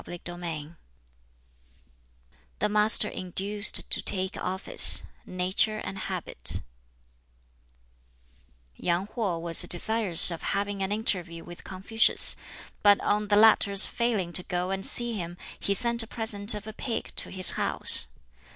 BOOK XVII The Master Induced to Take Office Nature and Habit Yang Ho was desirous of having an interview with Confucius, but on the latter's failing to go and see him, he sent a present of a pig to his house.